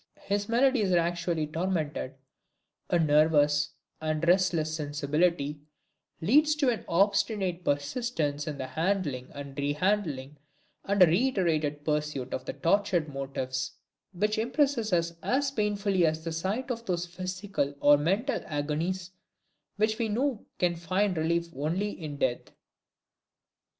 His melodies are actually tormented; a nervous and restless sensibility leads to an obstinate persistence in the handling and rehandling and a reiterated pursuit of the tortured motifs, which impress us as painfully as the sight of those physical or mental agonies which we know can find relief only in death.